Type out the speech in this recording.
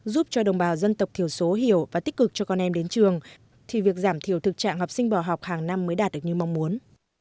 giúp cho đồng bào dân tộc thiểu số hiểu và tích cực cho con em đến trường thì việc giảm thiểu thực trạng học sinh bỏ học hàng năm mới đạt được như mong muốn